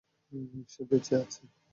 সে বেঁচে আছে?